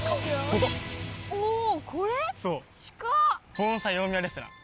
盆栽大宮レストラン。